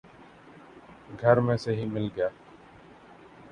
گھر میں سے ہی مل گیا